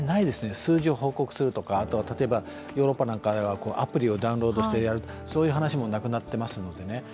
数字を報告するとか、例えばヨーロッパなんかではアプリをダウンロードしてやる、そういう話もなくなってますのでね。